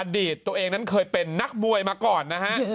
ตนเองนั้นเคยเป็นนักมวยมาก่อนนะฮะ